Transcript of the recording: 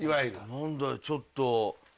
何だよちょっと。